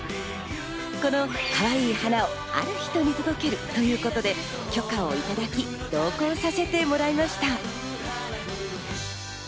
このかわいい花をある人に届けるということで、許可をいただき、同行させてもらいました。